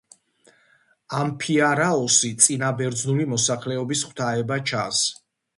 ამფიარაოსი წინაბერძნული მოსახლეობის ღვთაება ჩანს.